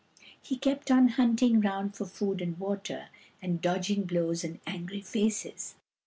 He kept on hunting round for food and water, and dodging blows and angry faces.